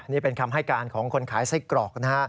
นี่เป็นคำให้การของคนขายไส้กรอกนะฮะ